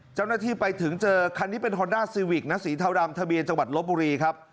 เจ้าหน้าที่ไปถึงเจอคันนี้เป็นฮอนด้าซีวิกนะสีเทาดำทะเบียนจังหวัดลบบุรีครับ